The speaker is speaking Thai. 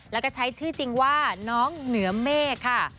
แล้วก็ใช้ชื่อจริงว่าน้องเหนือเมฆค่ะ